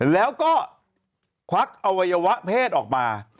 แล้วก็ควักอวัยวะเพศออกมา